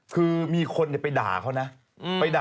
คือมีคนก็จะไปด่าเพราะว่า